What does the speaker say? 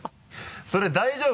それ大丈夫？